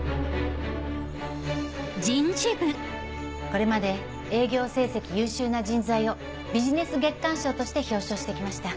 これまで営業成績優秀な人材をビジネス月間賞として表彰して来ました。